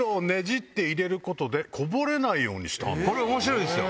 これ面白いですよ。